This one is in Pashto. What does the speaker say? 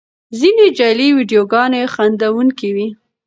ځینې جعلي ویډیوګانې خندوونکې وي.